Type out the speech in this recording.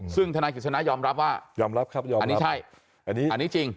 ซึ่งทนายกิจสนายอมรับว่าอันนี้ใช่อันนี้จริง